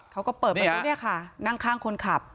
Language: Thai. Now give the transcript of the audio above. เขาก็เปิดเมื่อกี้เนี่ยค่ะนั่งข้างคนขับ